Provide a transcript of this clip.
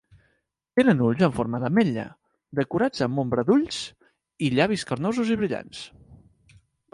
Tenen ulls en forma d'ametlla decorats amb ombra d'ulls i llavis carnosos i brillants.